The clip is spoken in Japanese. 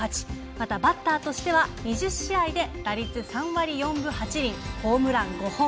またバッターとしては２０試合で打率３割４分８厘ホームラン５本。